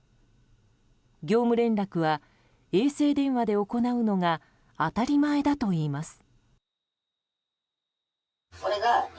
業務連絡は衛星電話で行うのが当たり前だといいます。